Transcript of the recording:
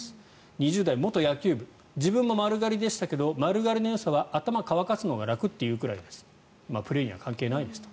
２０代元野球部自分も丸刈りでしたけど丸刈りのよさは頭乾かすのが楽というくらい、プレーには関係ないと。